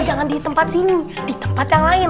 jangan di tempat sini di tempat yang lain